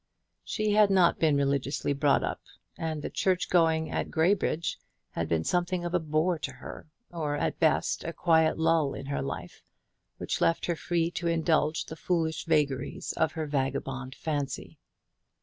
She had not been religiously brought up; and the church going at Graybridge had been something of a bore to her; or at best a quiet lull in her life, which left her free to indulge the foolish vagaries of her vagabond fancy.